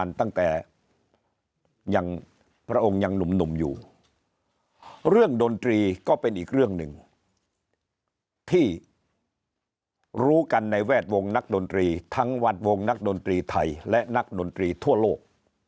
ตั้งแต่ยังพระองค์ยังหนุ่มอยู่เรื่องดนตรีก็เป็นอีกเรื่องหนึ่งที่รู้กันในแวดวงนักดนตรีทั้งแวดวงนักดนตรีไทยและนักดนตรีทั่วโลก